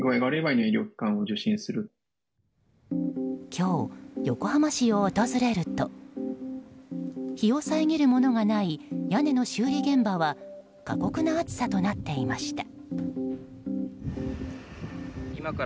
今日、横浜市を訪れると日を遮るものがない屋根の修理現場は過酷な暑さとなっていました。